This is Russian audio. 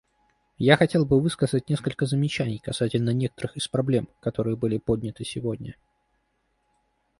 Я хотел бы высказать несколько замечаний касательно некоторых из проблем, которые были подняты сегодня.